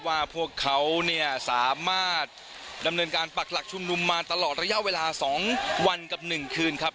ว่าพวกเขาเนี่ยสามารถดำเนินการปักหลักชุมนุมมาตลอดระยะเวลา๒วันกับ๑คืนครับ